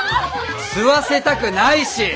吸わせたくないし！